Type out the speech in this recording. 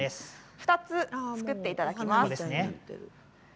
２つ作っていただきます。